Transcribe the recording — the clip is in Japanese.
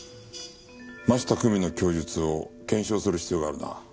真下久美の供述を検証する必要があるな。